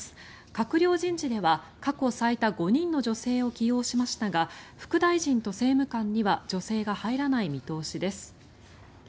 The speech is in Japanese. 閣僚人事では過去最多５人の女性を起用しましたが副大臣と政務官には女性が入らない見通しです。